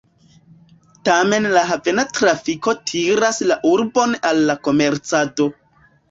Tamen la havena trafiko tiras la urbon al la komercado.